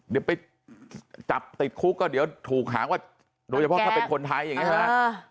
เดี๋ยวไปจับติดคุกก็เดี๋ยวถูกหางว่าโดยเฉพาะถ้าเป็นคนไทยอย่างนี้ใช่ไหม